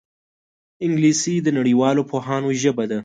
انګلیسي د نړیوالو پوهانو ژبه ده